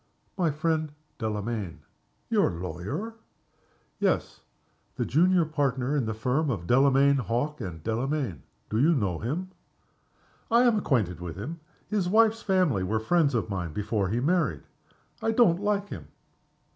"My friend, Delamayn." "Your lawyer?" "Yes the junior partner in the firm of Delamayn, Hawke, and Delamayn. Do you know him?" "I am acquainted with him. His wife's family were friends of mine before he married. I don't like him."